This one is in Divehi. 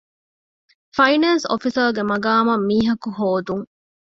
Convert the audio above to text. ފައިނޭންސް އޮފިސަރ ގެ މަޤާމަށް މީހަކު ހޯދުން.